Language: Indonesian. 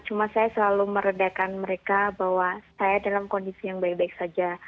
cuma saya selalu meredakan mereka bahwa saya dalam kondisi yang baik baik saja